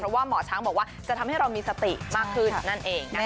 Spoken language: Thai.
เพราะว่าหมอช้างบอกว่าจะทำให้เรามีสติมากขึ้นนั่นเองนะคะ